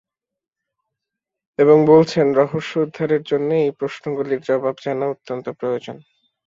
এবং বলছেন-রহস্য উদ্ধারের জন্যে এই প্রশ্নগুলির জবাব জানা অত্যন্ত প্রয়োজন।